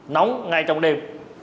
nóng ngay trong đêm